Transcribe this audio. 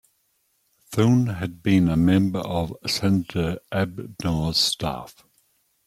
Thune had been a member of Senator Abdnor's staff.